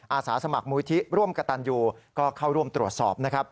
อาสาสมัครมูลวิทธิร่วมกับตันยูก็เข้าร่วมตรวจสอบ